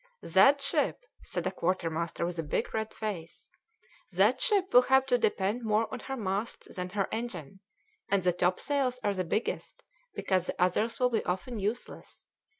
"That ship," said a quartermaster with a big red face "that ship will have to depend more on her masts than her engine, and the topsails are the biggest because the others will be often useless.